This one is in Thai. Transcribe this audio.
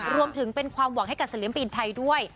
รวมถึงเป็นความหวังให้กับศิลปินไทยด้วย